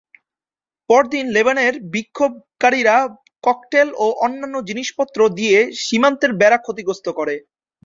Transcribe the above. পরদিন লেবাননের বিক্ষোভকারীরা ককটেল ও অন্যান্য জিনিসপত্র দিয়ে সীমান্তের বেড়া ক্ষতিগ্রস্ত করে।